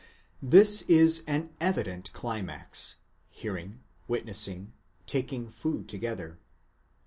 This is an evident climax: hearing, witnessing, taking food together.